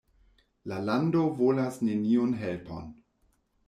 La lando volas neniun helpon.